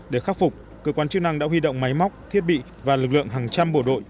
để khắc phục cơ quan chức năng đã huy động máy móc thiết bị và lực lượng hàng trăm bộ đội